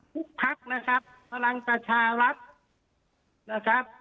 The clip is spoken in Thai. ทุกภาคนะครับภัลังปราชารัฐนะครับ